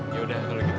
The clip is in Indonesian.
ya udah kalau gitu